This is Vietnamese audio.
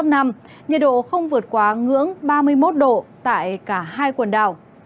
nhiệt độ không vượt quá ngưỡng ba mươi một độ tại cả hai quần đảo